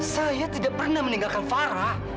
saya tidak pernah meninggalkan farah